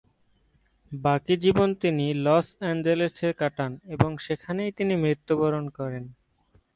বাকি জীবন তিনি লস অ্যাঞ্জেলেসে কাটান এবং সেখানেই তিনি মৃত্যুবরণ করেন।